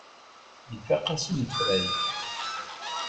Ifaq-as unefray.